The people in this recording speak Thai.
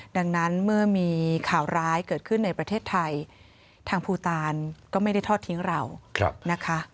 ดังนั้นเมื่อมีข่าวร้ายเกิดขึ้นในประเทศไทยทางภูตานก็ไม่ได้ทอดทิ้งเรานะคะ